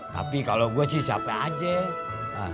tapi kalau gue sih siapa aja